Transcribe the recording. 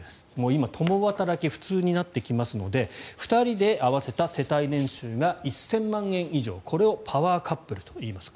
今、共働きが普通になってきますので２人で合わせた世帯年収が１０００万円以上これをパワーカップルといいます。